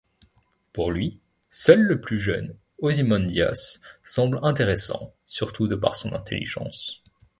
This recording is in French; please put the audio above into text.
Pour lui, seul le plus jeune, Ozymandias, semble intéressant, surtout de par son intelligence.